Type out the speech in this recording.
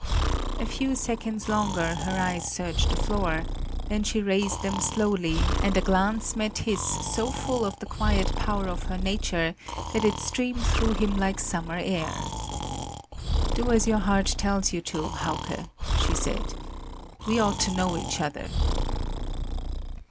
A few seconds longer her eyes searched the floor; then she raised them slowly, and a glance met his so full of the quiet power of her nature that it streamed through him like summer air. "Do as your heart tells you to, Hauke!" she said; "we ought to know each other!"